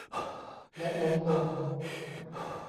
และล้มลง